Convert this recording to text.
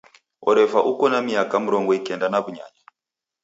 Orefwa uko na miaka mrongo ikenda na w'unyanya.